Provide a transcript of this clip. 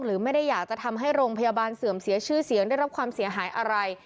หรือไม่ได้อยากจะทำให้โรงพยาบาลเสื่อมเสียชื่อเสียงได้รับความเสียหายอะไร